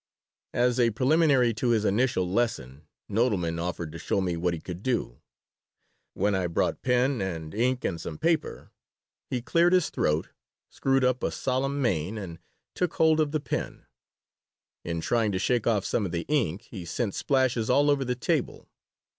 As a preliminary to his initial lesson Nodelman offered to show me what he could do. When I brought pen and ink and some paper he cleared his throat, screwed up a solemn mien, and took hold of the pen. In trying to shake off some of the ink he sent splashes all over the table.